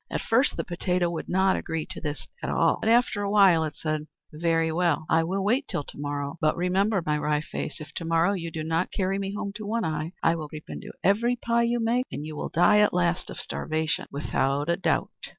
At first the potato would not agree to this at all, but after a while it said, "Very well, I will wait till to morrow. But remember, my Wry Face, if to morrow you do not carry me home to One Eye, I will creep into every pie you make; and you will die at last of starvation without a doubt!"